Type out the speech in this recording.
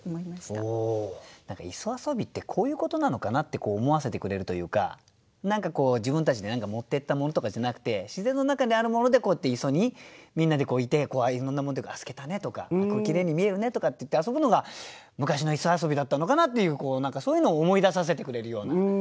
磯遊ってこういうことなのかなって思わせてくれるというか何か自分たちで持ってったものとかじゃなくて自然の中にあるものでこうやって磯にみんなでいていろんなものというか透けたねとかきれいに見えるねとかっていって遊ぶのが昔の磯遊だったのかなっていうそういうのを思い出させてくれるような句かもしれませんよね